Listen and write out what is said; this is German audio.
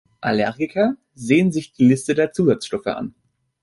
Allergiker sehen sich die Liste der Zusatzstoffe an.